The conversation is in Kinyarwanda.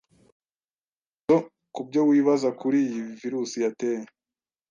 Ibisubizo ku byo wibaza kuri iyi Virus yateye